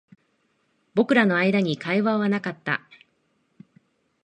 僕らの間に会話はなかった